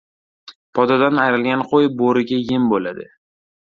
• Podadan ayrilgan qo‘y bo‘riga yem bo‘ladi.